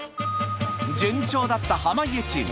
順調だった濱家チーム